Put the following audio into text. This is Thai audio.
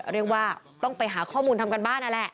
เรียกว่าต้องไปหาข้อมูลทำการบ้านนั่นแหละ